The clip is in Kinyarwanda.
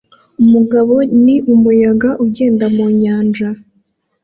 Umugabo ni umuyaga ugenda mu nyanja